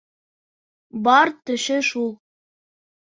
Бар төшө шул.